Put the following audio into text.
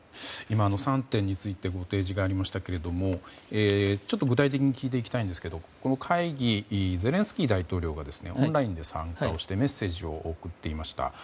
今、３点について提示がありましたけど具体的に聞いていきたいんですがゼレンスキー大統領がオンラインで参加をしてメッセージを送っていました。